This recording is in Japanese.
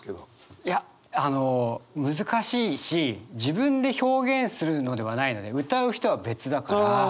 いやあの難しいし自分で表現するのではないので歌う人は別だから。